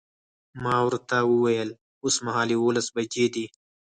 ما ورته وویل اوسمهال یوولس بجې دي.